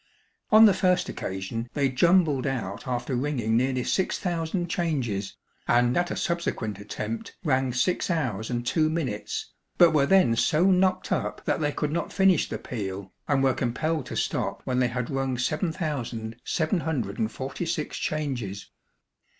On the first occasion they 'jumbled out' after ringing nearly six thousand changes; and at a subsequent attempt rang six hours and two minutes, but were then so knocked up that they could not finish the peal, and were compelled to stop when they had rung 7746 changes.